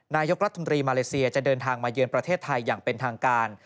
นายกรัฐมนตรีมาเลเซียจะเดินทางมาเยือนประเทศไทยอย่างเป็นทางการ